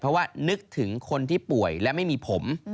เพราะว่านึกถึงคนที่ป่วยและไม่มีผม